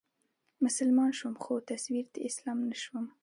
مسلمان شوم خو تصوير د اسلام نه شوم